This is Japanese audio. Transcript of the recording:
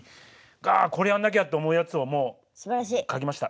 「あこれやんなきゃ」って思うやつをもう書きました。